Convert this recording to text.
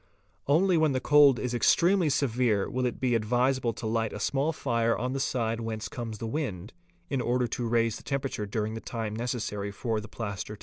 Only when the cold is extremely severe will it be advisable to light a small fire on the side whence comes the wind, in order to raise the temperature during the time necessary for the plaster to set.